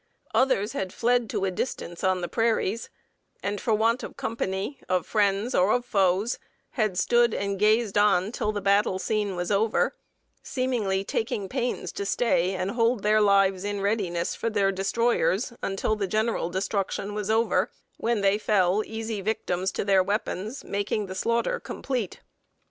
Others had fled to a distance on the prairies, and for want of company, of friends or of foes, had stood and gazed on till the battle scene was over, seemingly taking pains to stay and hold their lives in readiness for their destroyers until the general destruction was over, when they fell easy victims to their weapons, making the slaughter complete."